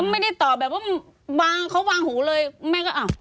ไม่ได้ตอบแบบว่าบางเขาวางหูเลยแม่ก็อ้าว